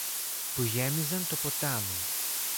που γέμιζαν το ποτάμι